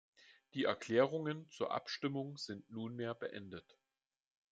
Die Erklärungen zur Abstimmung sind nunmehr beendet.